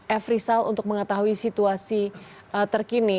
efrisal untuk mengetahui situasi terkini